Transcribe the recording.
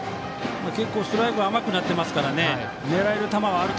結構ストライクが甘くなっていますからね狙える